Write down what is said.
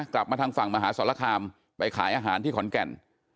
กลับมาทางฝั่งมหาสรคามไปขายอาหารที่ขอนแก่น